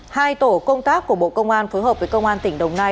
hai tổ công tác của bộ công an phối hợp với công an tỉnh đồng nai